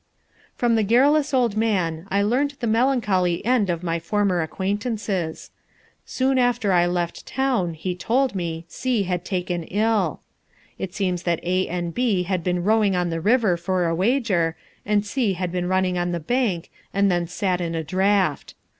From the garrulous old man I learned the melancholy end of my former acquaintances. Soon after I left town, he told me, C had been taken ill. It seems that A and B had been rowing on the river for a wager, and C had been running on the bank and then sat in a draught.